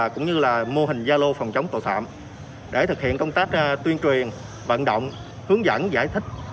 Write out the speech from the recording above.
cũng như là mô hình gia lô phòng chống tội phạm để thực hiện công tác tuyên truyền vận động hướng dẫn giải thích